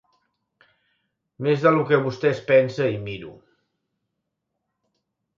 Més de lo que vostè es pensa hi miro.